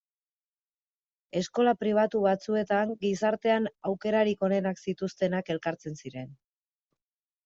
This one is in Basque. Eskola pribatu batzuetan gizartean aukerarik onenak zituztenak elkartzen ziren.